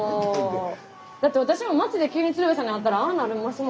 だって私も町で急に鶴瓶さんに会ったらああなりますもん。